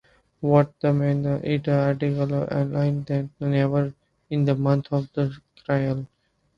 What is more, it is antitransitive: Alice can "never" be the mother of Claire.